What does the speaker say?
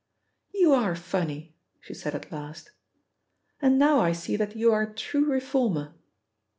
"You are funny," she said at last, "and now I see that you are a true reformer."